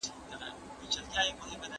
چي یوځل مشرف سو په وصال د لېونیو